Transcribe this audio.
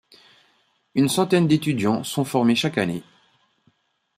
Une centaine d’étudiants sont formés chaque année.